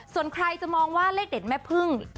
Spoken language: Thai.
ส่วนใครจะมองว่าเลขเด็ดแม่พึ่ง